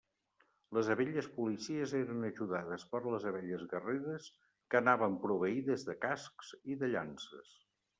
Les abelles policies eren ajudades per les abelles guerreres que anaven proveïdes de cascs i de llances.